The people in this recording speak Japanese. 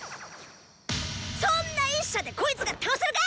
そんな一射でこいつが倒せるか！